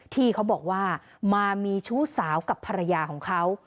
ที่เขาบอกว่ามามีชู้สาวกับภรรยาของเขา